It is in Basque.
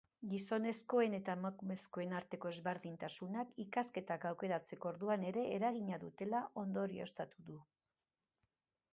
Gizonezkoen eta emakumezkoen arteko ezberdintasunak ikasketak aukeratzeko orduan ere eragina dutela ondorioztatu du.